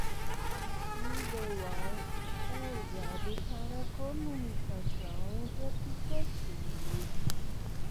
Middleware é usado para comunicação entre aplicativos.